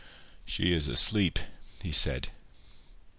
"She is asleep," he said.